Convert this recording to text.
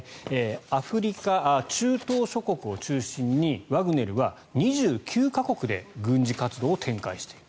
アフリカ、中東諸国を中心にワグネルは２９か国で軍事活動を展開している。